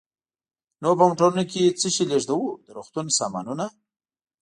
نو په موټرونو کې څه شی لېږدوو؟ د روغتون سامانونه.